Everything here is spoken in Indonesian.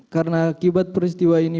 karena akibat peristiwa ini